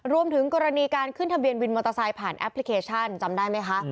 รวมถึงกรณีการขึ้นทะเบียนวินมอเตอร์ไซค์ผ่านแอปพลิเคชันจำได้ไหมคะ